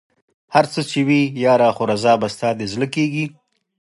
هر څه چې وي ياره خو رضا به ستا د زړه کېږي